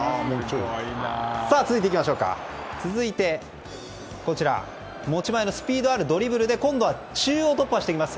続いて、持ち前のスピードあるドリブルで今度は中央突破をしていきます。